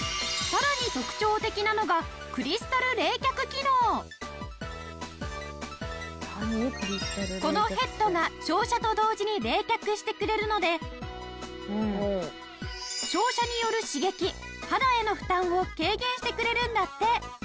さらに特徴的なのがこのヘッドが照射と同時に冷却してくれるので照射による刺激肌への負担を軽減してくれるんだって！